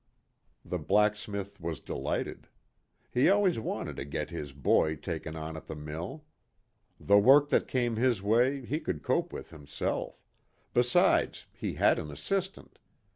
The blacksmith was delighted. He always wanted to get his boy taken on at the mill. The work that came his way he could cope with himself; besides, he had an assistant.